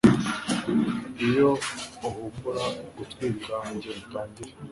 iyo uhumura gutwika ongera utangire